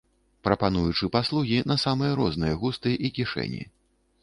Прапануючы паслугі на самыя розныя густы і кішэні.